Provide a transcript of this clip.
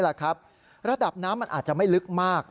ระดับน้ำมันอาจจะไม่ลึกมาก